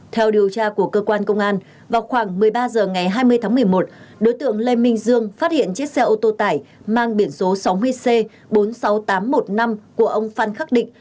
theo điều tra của cơ quan công an vào khoảng một mươi ba h ngày hai mươi tháng một mươi một đối tượng lê minh dương phát hiện chiếc xe ô tô tải mang biển số sáu mươi c bốn mươi sáu nghìn tám trăm một mươi năm của ông phan khắc định